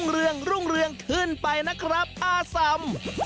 รุ่งเรืองขึ้นไปนะครับอาสัม